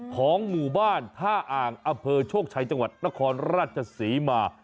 ของหมู่บ้านท่าอ่างอำเภอโชคชัยจังหวัดนครราชศรีมา